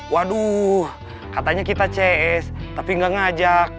waduh katanya kita cs tapi gak ngajak